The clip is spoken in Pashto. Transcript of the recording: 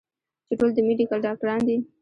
چې ټول د ميډيکل ډاکټران دي